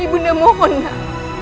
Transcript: ibu nda mohonlah